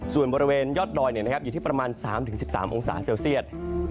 ส่วนบริเวณยอดดอยอยู่ที่ประมาณ๓๑๓องศาเซลเซียต